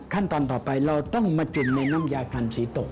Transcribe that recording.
ขั้นตอนต่อไปเราต้องมาจุนในน้ำยาคันสีตก